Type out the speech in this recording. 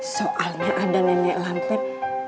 soalnya ada nenek lampin